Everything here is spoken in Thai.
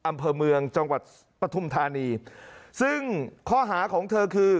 อำเภอเมืองจังหวัดปฐุมธานีซึ่งข้อหาของเธอคือ